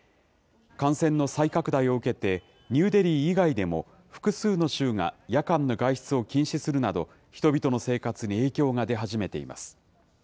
感染の再拡大を受けてニューデリー以外でも、複数の州が夜間の外出を禁止するなど、人々の生活に影響が出始めています。